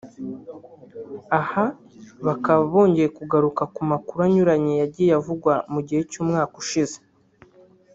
Aha bakaba bongeye kugaruka ku makuru anyuranye yagiye avugwa mu gihe cy’umwaka ushize